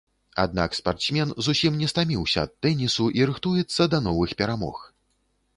Аднак спартсмен зусім не стаміўся ад тэнісу і рыхтуецца да новых перамог.